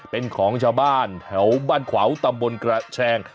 เป็นของชาวบ้านแถวบ้านขวาวตำบลกระแชง